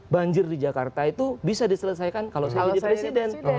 banjir di jakarta itu bisa diselesaikan kalau saya jadi presiden